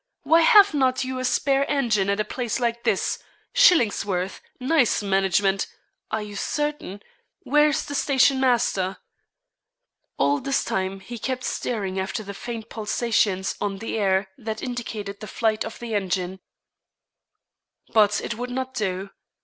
Why have not you a spare engine at a place like this? Shillingsworth! Nice management! Are you certain? Where's the station master?' All this time he kept staring after the faint pulsations on the air that indicated the flight of the engine. But it would not do.